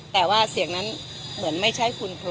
แต่ว่าเสียงนั้นเหมือนไม่ใช่คุณครู